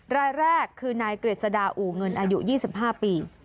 รายแรกคือนายกฤษดาอู่เงินอายุ๒๕ปี